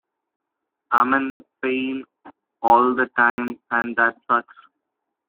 I'm in pain all the time and that sucks.